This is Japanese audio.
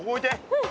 うん。